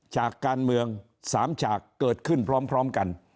จากการเมือง๓ฉากเกิดขึ้นพร้อมกัน